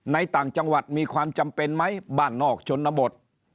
ต่างจังหวัดมีความจำเป็นไหมบ้านนอกชนบท